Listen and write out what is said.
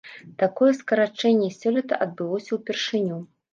Такое скарачэнне сёлета адбылося ўпершыню.